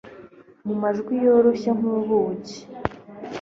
Mu majwi yoroshye nkubuki